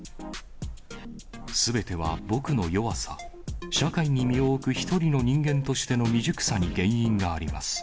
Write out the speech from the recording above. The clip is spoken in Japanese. すべては僕の弱さ、社会に身を置く一人の人間としての未熟さに原因があります。